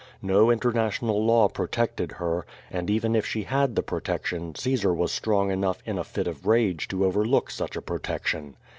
No international law protected her, and even if she had the pro tection Caesar was strong enough in a fit of rage to overlook such a protection.